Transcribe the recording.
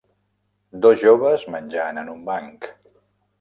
dos joves menjant en un banc.